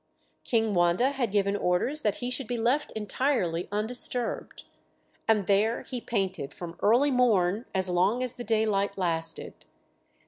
King Wanda had given orders that he should be left entirely undisturbed; and there he painted from early morn as long as the daylight lasted.